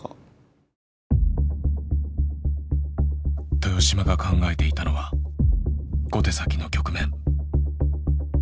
豊島が考えていたのは５手先の局面。